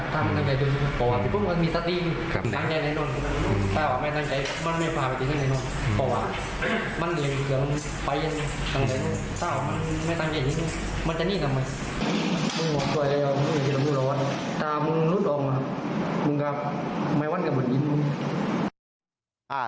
ตามรุธออกมาตรงกลับ